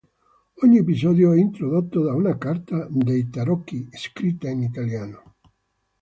Ogni episodio è introdotto da una carta dei tarocchi scritta in italiano.